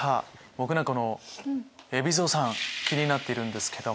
僕この海老蔵さん気になっているんですけども。